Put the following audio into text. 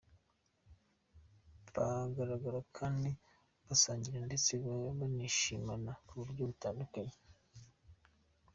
Bagaragara kandi basangira ndetse banishimana mu buryo butandukanye.